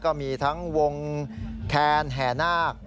ก็มีทั้งวงแคนแห่นาค